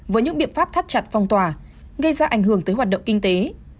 với những biện pháp thắt chặt phong tỏa gây ra ảnh hưởng tới hoạt động kinh tế